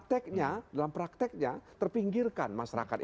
tapi dalam prakteknya terpinggirkan masyarakat ini